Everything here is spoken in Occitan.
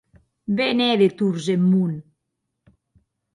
Be ne hè de torns eth mon!